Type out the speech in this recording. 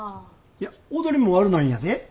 いや踊りも悪ないんやで。